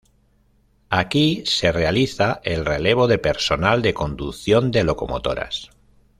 Aquí se realiza el relevo de personal de conducción de locomotoras.